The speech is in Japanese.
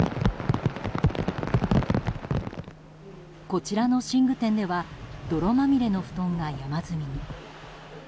こちらの寝具店では泥まみれの布団が山積みに。